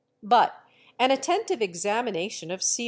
But an attentive examination of Cr...